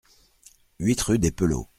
huit rue des Pelauds